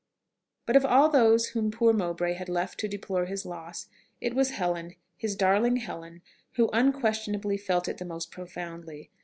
But of all those whom poor Mowbray had left to deplore his loss, it was Helen his darling Helen who unquestionably felt it the most profoundly.